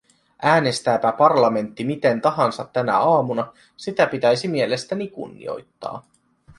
Äänestääpä parlamentti miten tahansa tänä aamuna, sitä pitäisi mielestäni kunnioittaa.